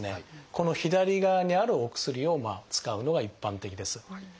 この左側にあるお薬を使うのが一般的です。